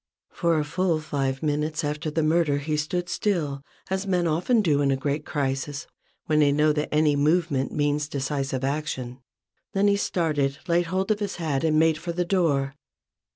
For a full five minutes after the murder he stood still ; as men often do in a great crisis when they know that any movement means decisive action. Then he started, laid hold of his hat, and made for the door.